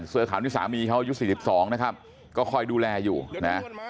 เสื้อขาวนี่สามีเขาอายุ๔๒นะครับก็คอยดูแลอยู่นะ